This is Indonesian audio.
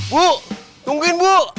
bu tungguin bu